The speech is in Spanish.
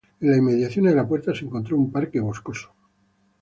En las inmediaciones de la puerta se encuentra un parque boscoso.